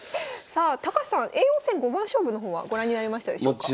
さあ高橋さん叡王戦五番勝負の方はご覧になりましたでしょうか？